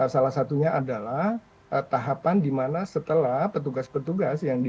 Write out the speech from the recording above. salah satunya adalah tahapan dimana setelah petugas petugas yang di